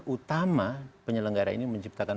utama penyelenggara ini menciptakan